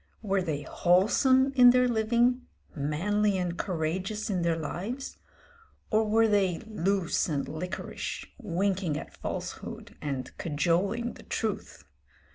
Were they wholesome in their living, manly and courageous in their lives, or were they loose and liquorish, winking at falsehood and cajoling the truth?